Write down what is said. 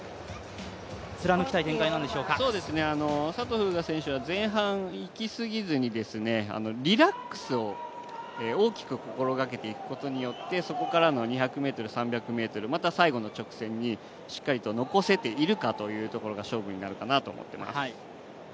風雅選手は前半、行き過ぎずにリラックスを大きく心がけていくことによって、そこからの２００ｍ、３００ｍまた最後の直線にしっかりと残せているかというのが勝負になるかなと思っています。